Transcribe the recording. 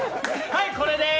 はい、これです。